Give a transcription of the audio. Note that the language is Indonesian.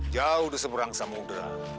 jauh di seberang samudera